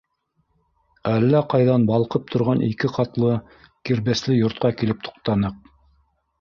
Әллә ҡайҙан балҡып торған ике ҡатлы кирбесле йортҡа килеп туҡтаныҡ.